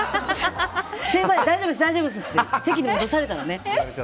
先輩、大丈夫ですって席に戻されたのね。